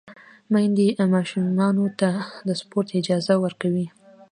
میندې ماشومانو ته د سپورت اجازه ورکوي۔